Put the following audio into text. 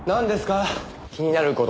気になる事って。